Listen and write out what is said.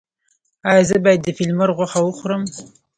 ایا زه باید د فیل مرغ غوښه وخورم؟